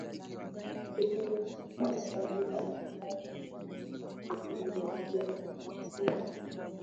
zuri kabisa bila shaka ubuheri wa siha